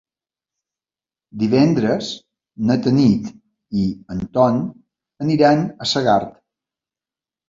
Divendres na Tanit i en Ton aniran a Segart.